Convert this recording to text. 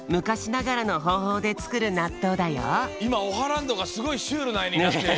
いまオハランドがすごいシュールなえになってる。